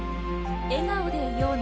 「笑顔でいようね」。